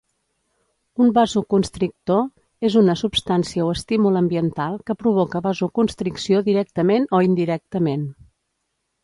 Un vasoconstrictor és una substància o estímul ambiental que provoca vasoconstricció directament o indirectament.